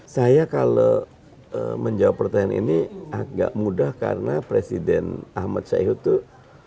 saya kalau menjawab pertanyaan ini agak mudah karena presiden ahmad syahihut itu